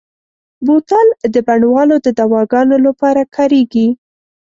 بوتل د بڼوالو د دواګانو لپاره کارېږي.